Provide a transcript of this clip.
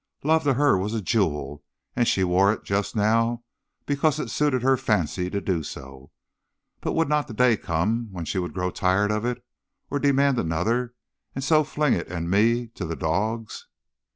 Love was to her a jewel, and she wore it just now because it suited her fancy to do so; but would not the day come when she would grow tired of it or demand another, and so fling it and me to the dogs?